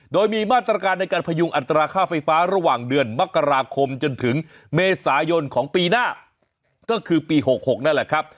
โดยมีมาตรการในการพยุงอัตราค่าไฟฟ้าระหว่างเดือนมกราคมจนถึงเมษายนของปีหน้าก็คือปี๖๖นั่นแหละครับ